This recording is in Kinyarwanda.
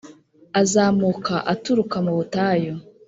uzamuka aturuka mu butayu